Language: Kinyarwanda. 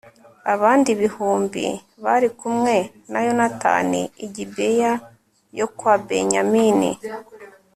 abandi igihumbi bari kumwe na yonatani i gibeya yo kwa benyamini